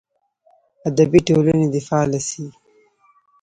ادبي ټولنې دې فعاله سي.